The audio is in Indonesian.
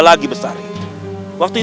tidak ada apa apa